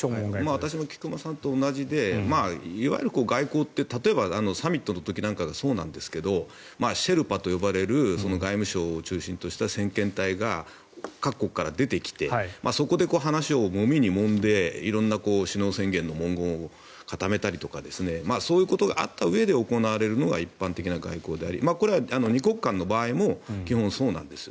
私も菊間さんと同じでいわゆる外交って例えばサミットの時なんかがそうなんですがシェルパと呼ばれる外務省を中心とした先遣隊が各国から出てきてそこで話をもみにもんで色んな首脳宣言の文言を固めたりとかそういうことがあったうえで行われるのが一般的な外交でありこれは２国間の場合も基本、そうなんです。